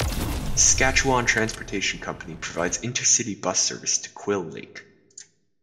Saskatchewan Transportation Company provides intercity bus service to Quill Lake.